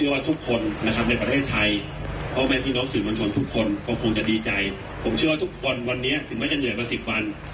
ว่าเลยเหนื่อยไป๑๐วัน